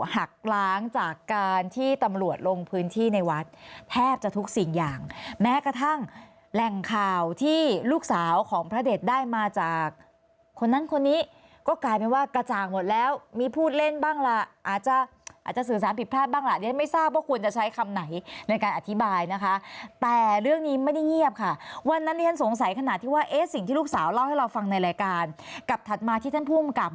แห่งข่าวที่ลูกสาวของพระเด็จได้มาจากคนนั้นคนนี้ก็กลายเป็นว่ากระจ่างหมดแล้วมีพูดเล่นบ้างละอาจจะอาจจะสื่อสารผิดพลาดบ้างละเดี๋ยวท่านไม่ทราบว่าคุณจะใช้คำไหนในการอธิบายนะคะแต่เรื่องนี้ไม่ได้เงียบค่ะวันนั้นท่านสงสัยขนาดที่ว่าเอ๊ะสิ่งที่ลูกสาวเล่าให้เราฟังในรายการกลับถัดมาที่ท่านผู้อำ